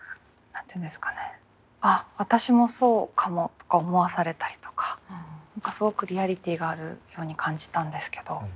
「あっ私もそうかも」とか思わされたりとかすごくリアリティーがあるように感じたんですけど。